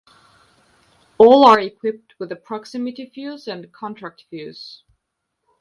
All are equipped with a proximity fuse and contact fuse.